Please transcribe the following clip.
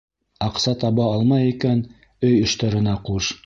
Аҡса таба алмай икән, өй эштәренә ҡуш.